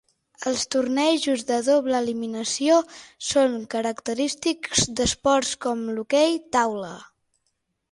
Els tornejos de doble eliminació són característics d'esports com l'hoquei taula.